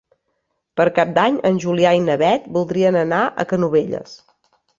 Per Cap d'Any en Julià i na Beth voldrien anar a Canovelles.